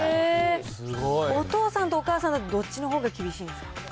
お父さんとお母さんのどっちのほうが厳しいんですか？